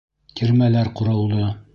Тирмәләр ҡоролдо